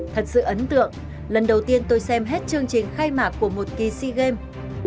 thật sự ấn tượng lần đầu tiên tôi xem hết chương trình khai mạc của một kỳ sea games